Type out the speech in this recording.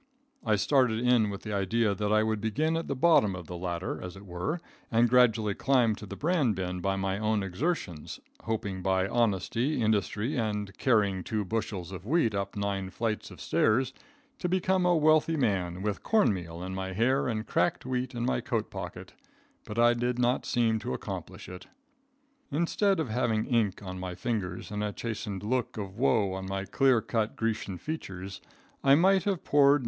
I started in with the idea that I would begin at the bottom of the ladder, as it were, and gradually climb to the bran bin by my own exertions, hoping by honesty, industry, and carrying two bushels of wheat up nine flights of stairs, to become a wealthy man, with corn meal in my hair and cracked wheat in my coat pocket, but I did not seem to accomplish it. Instead of having ink on my fingers and a chastened look of woe on my clear cut Grecian features, I might have poured No.